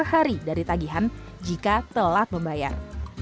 hari dari tagihan jika telat membayar